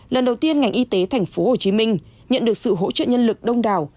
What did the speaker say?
lần đầu tiên ngành y tế thành phố hồ chí minh nhận được sự hỗ trợ nhân lực đông đảo